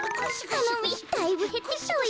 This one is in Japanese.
あのみだいぶへってきたわよ。